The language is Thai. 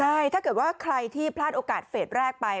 ใช่ถ้าเกิดว่าใครที่พลาดโอกาสเฟสแรกไป